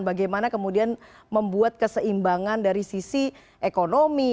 bagaimana kemudian membuat keseimbangan dari sisi ekonomi